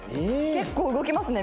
結構動きますね